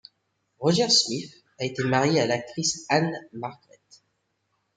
Roger Smith a été marié à l'actrice Ann-Margret.